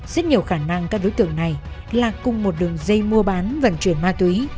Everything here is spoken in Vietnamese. rất nhiều khả năng các đối tượng này là cùng một đường dây mua bán vận chuyển ma túy